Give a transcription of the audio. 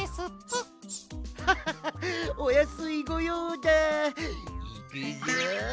ハハハッおやすいごようだいくぞ。